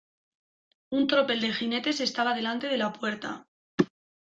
un tropel de jinetes estaba delante de la puerta.